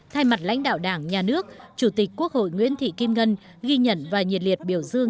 thay mặt lãnh đạo đảng nhà nước chủ tịch quốc hội nguyễn thị kim ngân ghi nhận và nhiệt liệt biểu dương